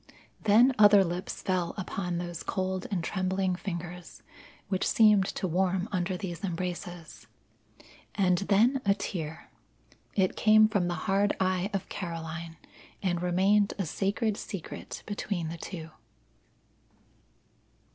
Then other lips fell upon those cold and trembling fingers, which seemed to warm under these embraces. And then a tear. It came from the hard eye of Caroline, and remained a sacred secret between the two.